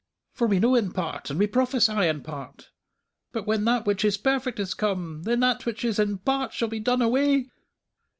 _ "'For we know in part, and we prophesy in part. "_'But when that which is perfect is come, then that which is in part shall be done away.'